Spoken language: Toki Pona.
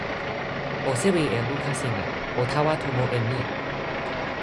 o sewi e luka sina. o tawa tomo e mi.